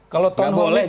kalau town hall meeting